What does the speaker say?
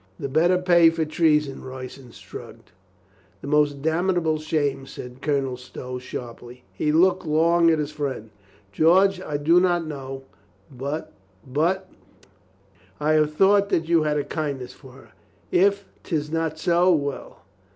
"The better pay for treason," Royston shrugged. "The more damnable shame," said Colonel Stow sharply. He looked long at his friend. "George, I do not know, but — but I have thought that you had a kindness for her. If 'tis not so, well.